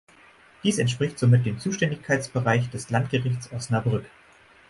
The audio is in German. Dies entspricht somit dem Zuständigkeitsbereich des Landgerichts Osnabrück.